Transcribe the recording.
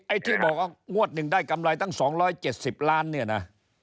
ไอ้ที่บอกว่างวดหนึ่งได้กำไรตั้ง๒๗๐ล้านเนี่ยนะ